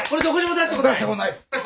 出したことないです。